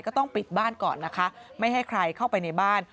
ก็ต้องปิดบ้านก่อนนะคะไม่ให้ใครเข้าไปในบ้าน